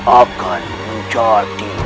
akan menjadi bagian